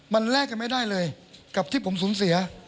มันแลกกันไม่ได้เลยกับที่ผมสูญเสีย